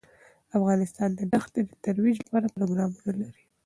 افغانستان د دښتې د ترویج لپاره پروګرامونه لري.